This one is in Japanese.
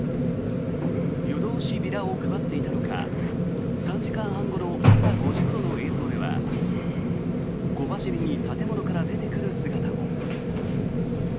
夜通しビラを配っていたのか３時間半後の朝５時ごろの映像では小走りに建物から出てくる姿も。